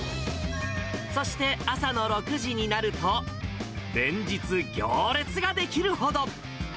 そして、朝の６時になると、連日、行列が出来るほど。